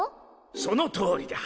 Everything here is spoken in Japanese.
そのとおりだ。